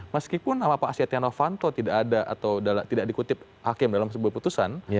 meskipun nama pak setia novanto tidak ada atau tidak dikutip hakim dalam sebuah putusan